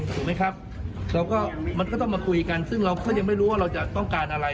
ถูกไหมครับเราก็มันก็ต้องมาคุยกันซึ่งเราก็ยังไม่รู้ว่าเราจะต้องการอะไร